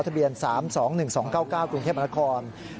ทะเบียน๓๒๑๒๙๙กรุงเทพนรกฐาน